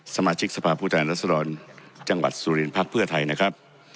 สมาชิกสภาพผู้ใจรัฐสลอนจังหวัดสุรินทร์ภาคเพื่อไทยนะครับ